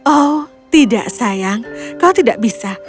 oh tidak sayang kau tidak bisa